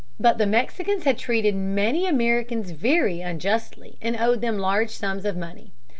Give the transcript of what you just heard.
But the Mexicans had treated many Americans very unjustly and owed them large sums of money.